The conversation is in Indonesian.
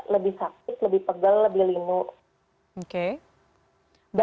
lebih saksis lebih pegel lebih lindu